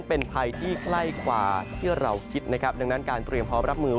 เป็นภัยที่ใกล้กว่าที่เราคิดนะครับดังนั้นการเตรียมพร้อมรับมือ